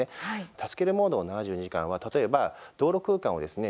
助けるモードの７２時間は例えば、道路空間をですね